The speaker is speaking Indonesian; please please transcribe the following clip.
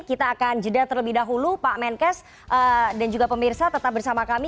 kita akan jeda terlebih dahulu pak menkes dan juga pemirsa tetap bersama kami